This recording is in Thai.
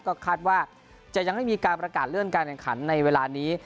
ก็คาดว่าจะยังไม่มีการประกาศเลื่อนการแข่งขันในเวลานี้